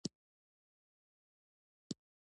چا درته ویل چې سودا گرانه خرڅوه، اوس د خولې نه مچان شړه...